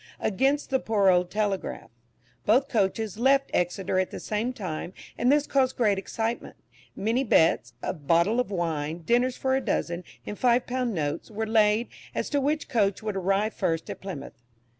against the poor old "Telegraph." Both coaches left Exeter at the same time, and this caused great excitement. Many bets, of bottles of wine, dinners for a dozen, and five pound notes, were laid, as to which coach would arrive first at Plymouth.